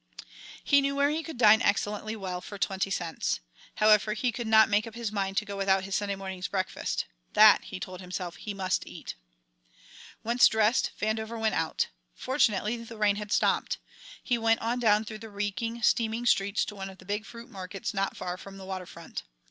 He knew where he could dine excellently well for twenty cents. However, he could not make up his mind to go without his Sunday morning's breakfast. That, he told himself, he must eat. Once dressed, Vandover went out. Fortunately, the rain had stopped. He went on down through the reeking, steaming streets to one of the big fruit markets not far from the water front.